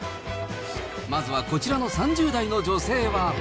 まずはこちらの３０代の女性は。